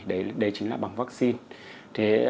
đấy chính là bằng vaccine